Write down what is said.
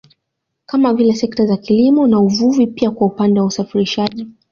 Kama vile sekta za kilimo na uvuvi pia kwa upande wa usafirishaji